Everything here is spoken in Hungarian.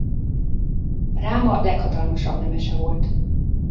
Ráma leghatalmasabb nemese volt.